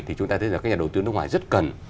thì chúng ta thấy rằng các nhà đầu tư nước ngoài rất cần